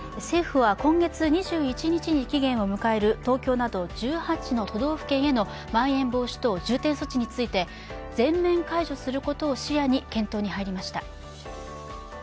政府は今月２１日に期限を迎える東京など１８の都道府県へのまん延防止等重点措置について全面解除することを視野に検討に入りました。